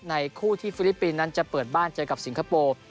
คู่ที่ฟิลิปปินส์นั้นจะเปิดบ้านเจอกับสิงคโปร์